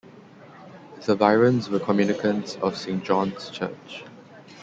The Byrons were communicants of Saint John's Church.